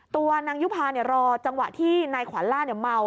ตัวนางยุภารอจังหวะที่นายขวัลล่าเมา